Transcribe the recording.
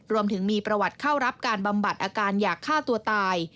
รวมถึงมีประวัติเข้ารับการบำบัดอาการอยากฆ่าตัวตาย